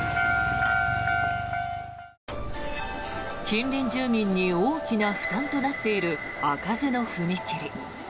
近隣住民に大きな負担となっている開かずの踏切。